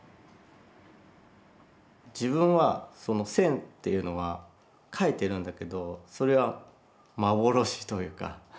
自分はその線っていうのは描いてるんだけどそれは幻というか。